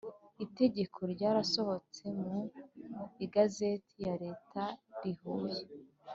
itegeko ryasohotse mu Igazeti ya Leta rihuye